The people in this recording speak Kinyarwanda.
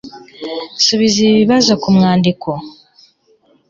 subiza ibi bibazo ku mwandiko